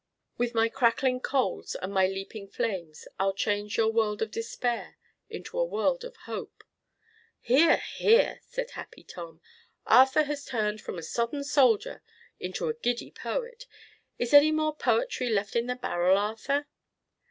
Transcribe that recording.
With my crackling coals and my leaping flames I'll change your world of despair into a world of hope.'" "Hear! Hear!" said Happy Tom. "Arthur has turned from a sodden soldier into a giddy poet! Is any more poetry left in the barrel, Arthur?"